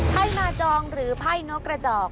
ไพ่นาจองหรือไพ่นกกระจอก